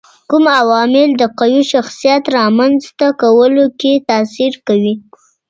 کوم عوامل د قوي شخصيت رامنځته کولو کي تاثیر کوي؟